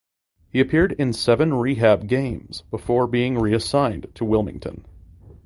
He appeared in seven rehab games before being reassigned to Wilmington.